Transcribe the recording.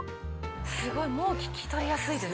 すごいもう聞き取りやすいです。